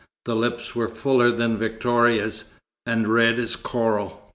The lips were fuller than Victoria's, and red as coral.